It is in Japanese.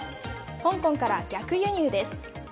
香港から逆輸入です。